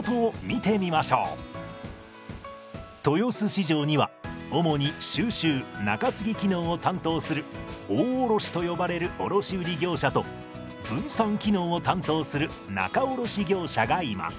市場には主に収集仲継機能を担当する大卸と呼ばれる卸売業者と分散機能を担当する仲卸業者がいます。